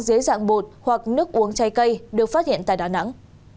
dưới dạng bột hoặc nước uống trái cây được phát hiện tại đà nẵng